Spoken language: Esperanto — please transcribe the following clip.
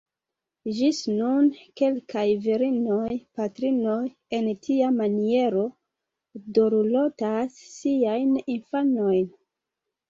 Ĝis nun kelkaj virinoj-patrinoj en tia maniero dorlotas siajn infanojn.